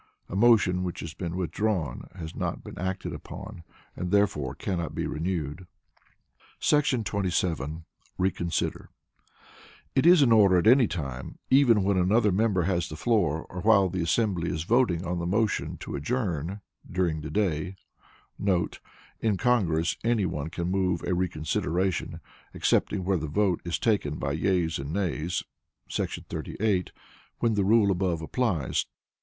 A motion which has been withdrawn has not been acted upon, and therefore can be renewed. 27. Reconsider. It is in order at any time, even when another member has the floor, or while the assembly is voting on the motion to Adjourn, during the day* [In Congress any one can move a reconsideration, excepting where the vote is taken by yeas and nays [§ 38], when the rule above applies.